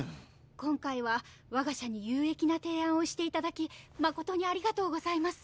今回は我が社に有益な提案をしていただき誠にありがとうございます。